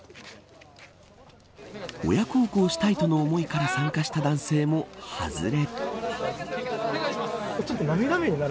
親孝行したいとの思いから参加した男性も外れ。